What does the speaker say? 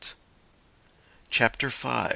CHAPTER V.